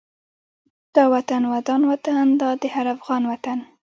دا وطن ودان وطن دا د هر افغان وطن